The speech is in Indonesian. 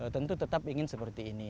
tentu tetap ingin seperti ini